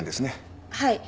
はい。